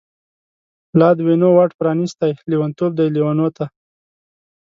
لادوینو واټ پرانستی، لیونتوب دی لیونو ته